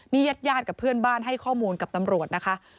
นี่ญาติญาติกับเพื่อนบ้านให้ข้อมูลกับตำรวจนะคะ